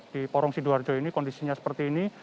di porong sidoarjo ini kondisinya seperti ini